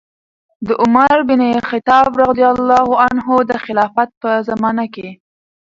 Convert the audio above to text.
د عمر بن الخطاب رضي الله عنه د خلافت په زمانه کې